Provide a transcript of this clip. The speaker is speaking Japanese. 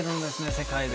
世界で。